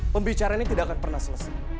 pembicaraan ini tidak akan pernah selesai